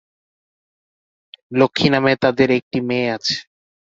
লক্ষ্মী নামের তাঁদের একটি মেয়ে আছে।